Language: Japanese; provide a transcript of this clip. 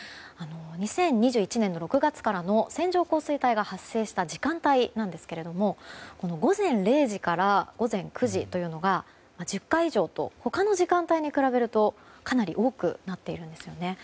２０２１年の６月からの線状降水帯が発生した時間帯なんですけども午前０時から午前９時というのが１０回以上と他の時間帯に比べるとかなり多くなっているんです。